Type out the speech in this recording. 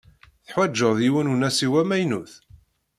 Teḥwaǧeḍ yiwen unasiw amaynut?